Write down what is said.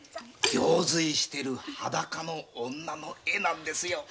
行水してる裸の女の絵なんですよ。